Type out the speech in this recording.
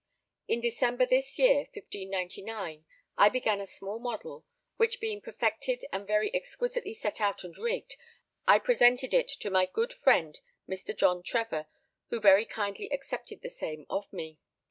In December this year, 1599, I began a small model, which being perfected and very exquisitely set out and rigged, I presented it to my good friend Mr. John Trevor, who very kindly accepted the same of me.